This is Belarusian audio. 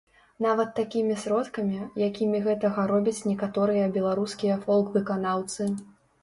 Нават такімі сродкамі, якімі гэтага робяць некаторыя беларускія фолк-выканаўцы.